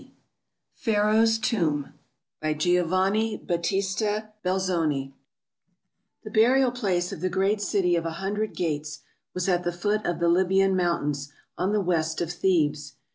AFRICA Pharaoh's Tomb By GIOVANNI BATTISTA BELZONI THE burial place of the great city of a hundred gates was at the foot of the Libyan Mountains, on the west of Thebes.